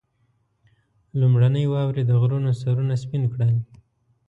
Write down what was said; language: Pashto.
لومړنۍ واورې د غرو سرونه سپين کړل.